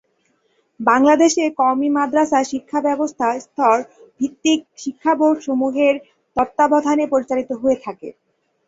বাংলাদেশ এ কওমি মাদরাসা শিক্ষাব্যবস্থা স্তর ভিত্তিক শিক্ষাবোর্ড সমূহের তত্বাবধানে পরিচালিত হয়ে থাকে।